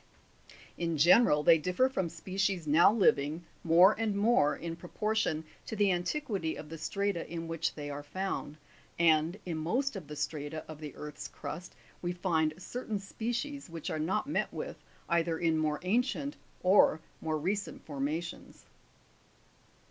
In general, they differ from species now living, more and more, in proportion to the antiquity of the strata in which they are found, and, in most of the strata of the earth's crust we find certain species which are not met with either in more ancient or more recent formations.